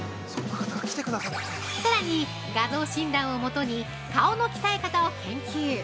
さらに画像診断を基に顔の鍛え方を研究。